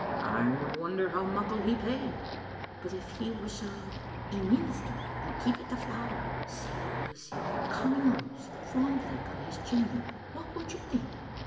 " I would wonder how muckle he paid. "" But if he was a — a minister, and keepit the flower — say it was a common rose — ^fond^like on his chimley, what would you think?"